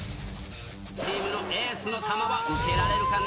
チームのエースの球は受けられるかな？